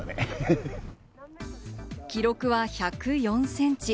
記録は１０４センチ。